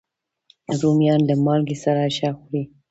رومیان له مالګې سره ښه خوري